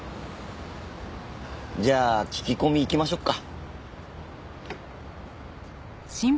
じゃあ聞き込み行きましょうか。